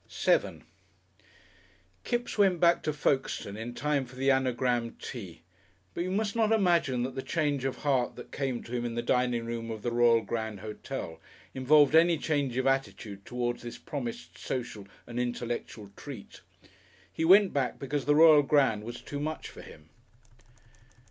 §7 Kipps went back to Folkestone in time for the Anagram Tea. But you must not imagine that the change of heart that came to him in the dining room of the Royal Grand Hotel involved any change of attitude toward this promised social and intellectual treat. He went back because the Royal Grand was too much for him.